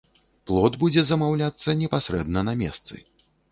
Плот будзе замаўляцца непасрэдна на месцы.